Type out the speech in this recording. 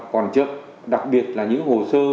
còn chậm đặc biệt là những hồ sơ